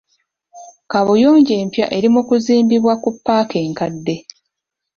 Kaabuyonjo empya eri mu kuzimbibwa ku paaka enkadde.